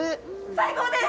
最高です！